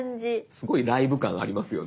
すごいライブ感ありますよね。